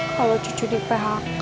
kalau cucu di phk